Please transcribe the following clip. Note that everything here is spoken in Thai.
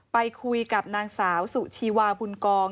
ไปคุยกับนางสาวสุชีวาบุญกอง